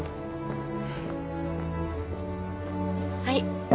はい。